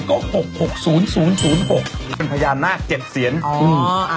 ก็หกหกศูนย์ศูนย์ศูนย์หกเป็นพญานาคเจ็ดเซียนอ๋ออืม